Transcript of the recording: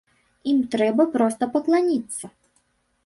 Ім трэба проста пакланіцца.